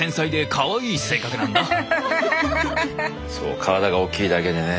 そう体が大きいだけでね